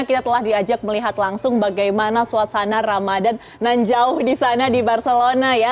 kita telah diajak melihat langsung bagaimana suasana ramadan nanjau di sana di barcelona ya